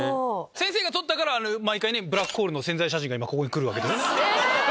先生が撮ったから毎回ブラックホールの宣材写真がここにくる。